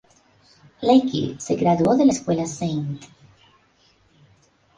Lachey se graduó de la escuela "St.